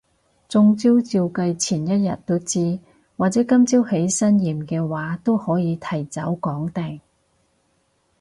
中招照計前一日都知，或者今朝起身驗嘅話都可以提早講定